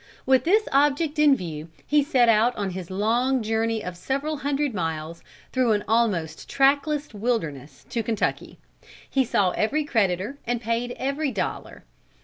With this object in view, he set out on his long journey of several hundred miles, through an almost trackless wilderness, to Kentucky. He saw every creditor and paid every dollar.